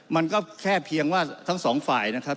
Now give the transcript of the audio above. มันก็แค่เพียงว่าทั้งสองฝ่ายนะครับ